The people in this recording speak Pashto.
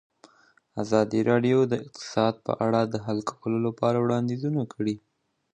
ازادي راډیو د اقتصاد په اړه د حل کولو لپاره وړاندیزونه کړي.